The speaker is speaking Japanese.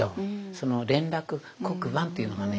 その連絡黒板というのがね